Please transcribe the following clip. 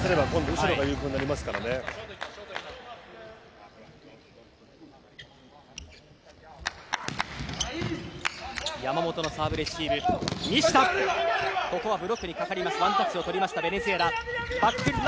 ここはブロックにかかりますワンタッチを取りましたベネズエラ。